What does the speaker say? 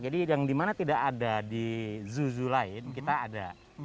jadi yang dimana tidak ada di zoo zoo lain kita ada